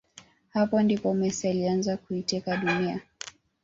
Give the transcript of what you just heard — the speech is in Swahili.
Hapa ndipo Messi alianza kuiteka dunia